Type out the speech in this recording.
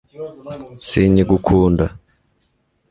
s sinkigukunda